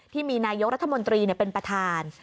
ที่มีนายอุตมะสาวนายนรัฐมนตรีเป็นประธาน